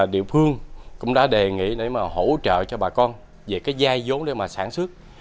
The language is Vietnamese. địa phương cũng đã đề nghị để hỗ trợ cho bà con về cái giai dố để sản xuất